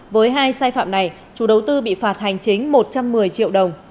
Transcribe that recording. với hai sai phạm này chủ đầu tư bị phạt hành chính một trăm một mươi triệu đồng